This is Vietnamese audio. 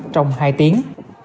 trong hai tiếng